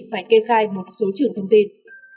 hãy kê khai một số trưởng thông tin